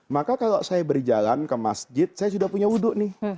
maka kalau saya berjalan ke masjid saya sudah punya wudhu nih